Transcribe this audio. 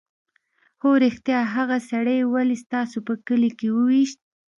_هو رښتيا! هغه سړی يې ولې ستاسو په کلي کې وويشت؟